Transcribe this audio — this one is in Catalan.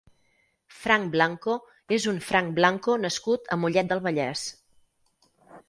Frank Blanco és un frank Blanco nascut a Mollet del Vallès.